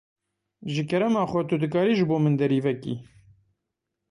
Ji kerema xwe tu dikarî ji bo min derî vekî.